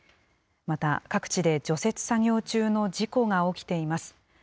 また、各地で除雪作業中の事故が起きています。